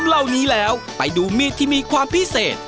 เหล่านี้แล้วไปดูมีดที่มีความพิเศษ